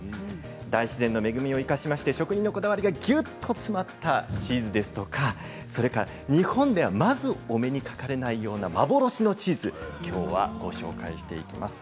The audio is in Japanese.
大自然の恵みを生かしまして職人のこだわりがぎゅっと詰まったチーズですとか日本では、まずお目にかかれないような幻のチーズをきょうは、ご紹介していきます。